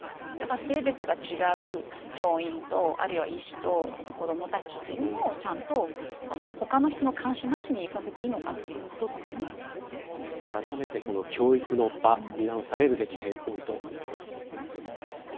性別が違う教員とあるいは医師と子どもたちというのをちゃんと他の人の監視なしに居させていいのかあらためて、教育の場見直されるべき点多いと思います。